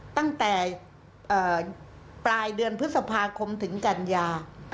ตั้งแต่ปลายเดือนพฤษภาคมถึงกันยา